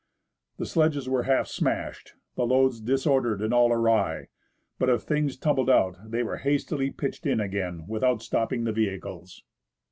The sledges were half smashed, the loads disordered and all awry ; but if things tumbled out they were hastily pitched in again, without stopping the vehicles.